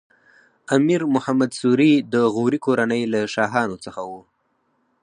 امیر محمد سوري د غوري کورنۍ له شاهانو څخه و.